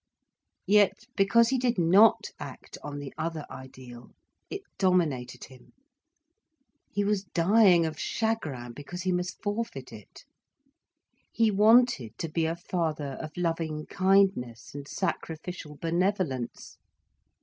Yet because he did not act on the other ideal, it dominated him, he was dying of chagrin because he must forfeit it. He wanted to be a father of loving kindness and sacrificial benevolence.